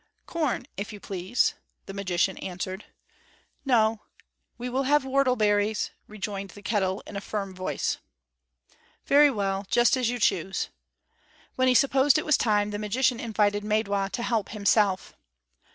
"Corn, if you please," the magician answered. "No, we will have whortleberries," rejoined the kettle, in a firm voice. "Very well; just as you choose." When he supposed it was time, the magician invited Maidwa to help himself.